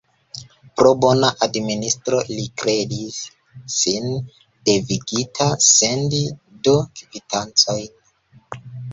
Pro bona administro, li kredis sin devigita sendi du kvitancojn!